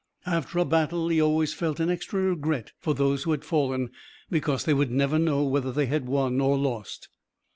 After a battle he always felt an extra regret for those who had fallen, because they would never know whether they had won or lost.